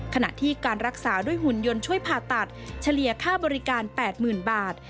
ขณะที่การรักษาด้วยหุ่นยนต์ช่วยผ่าตัดเฉลี่ยค่าบริการ๘๐๐๐บาท